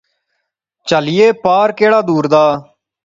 چہلیے، پار کیہڑا دور دا